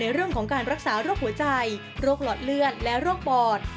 เรื่องของการรักษาโรคหัวใจโรคหลอดเลือดและโรคปอด